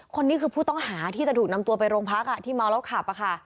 คนนี้คือผู้ต้องหาที่จะถูกนำตัวไปโรงพักที่เมาแล้วขับค่ะ